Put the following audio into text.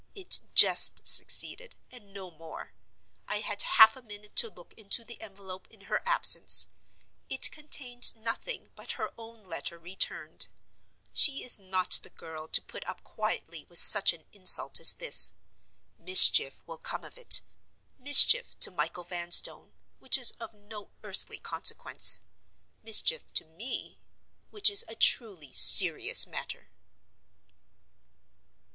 It just succeeded, and no more. I had half a minute to look into the envelope in her absence. It contained nothing but her own letter returned. She is not the girl to put up quietly with such an insult as this. Mischief will come of it—Mischief to Michael Vanstone—which is of no earthly consequence: mischief to Me—which is a truly serious matter.